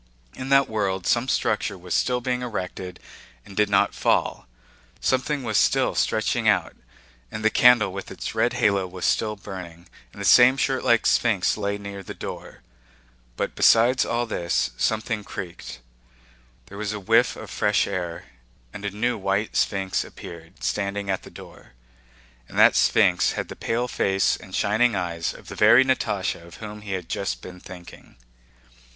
In that world some structure was still being erected and did not fall, something was still stretching out, and the candle with its red halo was still burning, and the same shirtlike sphinx lay near the door; but besides all this something creaked, there was a whiff of fresh air, and a new white sphinx appeared, standing at the door. And that sphinx had the pale face and shining eyes of the very Natásha of whom he had just been thinking.